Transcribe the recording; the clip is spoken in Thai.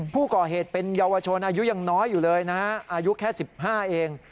ผู้ก่อเหตุเป็นเยาวชนอายุยังน้อยอยู่เลยนะฮะอายุแค่๑๕เอง